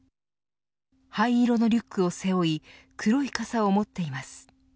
灰色のリュックを背負い黒い傘を持っています。